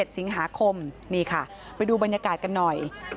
๑สิงหาคมนี่ค่ะไปดูบรรยากาศกันหน่อย